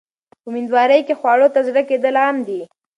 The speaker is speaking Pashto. په مېندوارۍ کې خواړو ته زړه کېدل عام دي.